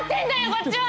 こっちは！